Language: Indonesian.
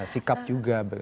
sikap juga berganti